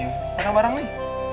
ada barang nih